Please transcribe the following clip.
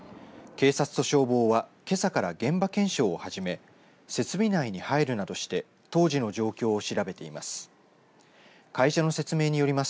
警察と消防はけさから現場検証を始め設備内に入るなどして当時の状況を調べています。